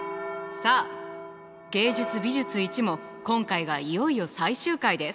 さあ「芸術美術Ⅰ」も今回がいよいよ最終回です。